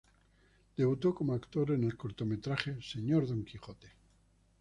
Debutó como actor en el cortometraje "Señor Don Quijote".